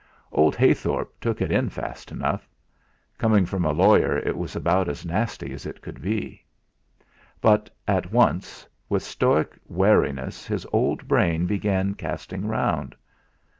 Old Heythorp took it in fast enough; coming from a lawyer it was about as nasty as it could be. But, at once, with stoic wariness his old brain began casting round.